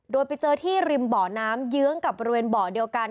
โดยไปเจอที่ริมบ่อน้ำเยื้องกับบริเวณบ่อเดียวกัน